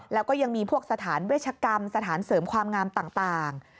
แล้วก็ยังมีพวกสถานเวชกรรมสถานเสริมความงามต่าง